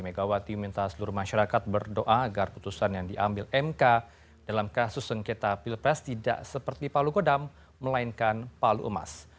megawati minta seluruh masyarakat berdoa agar putusan yang diambil mk dalam kasus sengketa pilpres tidak seperti palu kodam melainkan palu emas